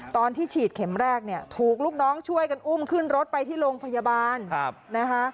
ตอนที่ฉีดเข็มแรกเนี่ยถูกลูกน้องช่วยกันอุ้มขึ้นรถไปที่โรงพยาบาลนะคะ